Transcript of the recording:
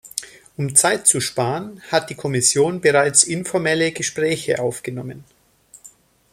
Um Zeit zu sparen, hat die Kommission bereits informelle Gespräche aufgenommen.